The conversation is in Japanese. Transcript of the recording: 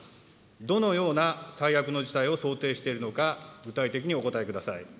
どのような最悪な事態を想定しているのか、具体的にお答えください。